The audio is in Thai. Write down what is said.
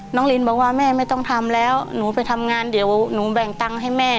ลินบอกว่าแม่ไม่ต้องทำแล้วหนูไปทำงานเดี๋ยวหนูแบ่งตังค์ให้แม่